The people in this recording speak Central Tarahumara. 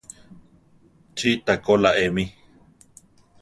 Chí takóla eme.